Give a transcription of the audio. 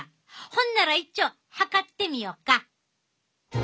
ほんなら一丁測ってみよか。